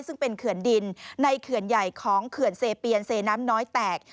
ซึ่งเป็นเขื่อนดินในเขื่อนใหญ่ของเขื่อนเซเปียนเซน้ำน้อยแตก